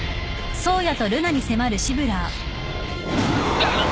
あっ！